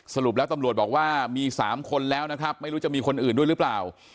สรุปแล้วตำรวจบอกว่ามี๓คนแล้วนะครับไม่รู้จะมีคนอื่นด้วยหรือเปล่า